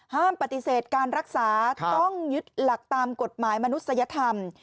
ปฏิเสธการรักษาต้องยึดหลักตามกฎหมายมนุษยธรรม